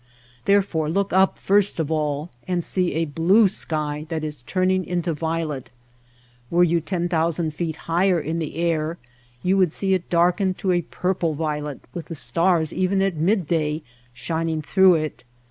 Therefore look up first of all and see a blue sky that is turning into violet. Were you ten thousand feet higher in the air you would see it darkened to a purple violet with the stars even at midday shining through it.